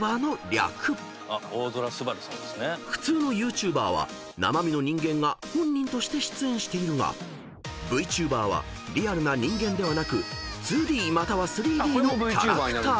［普通のＹｏｕＴｕｂｅｒは生身の人間が本人として出演しているがＶＴｕｂｅｒはリアルな人間ではなく２Ｄまたは３Ｄのキャラクター］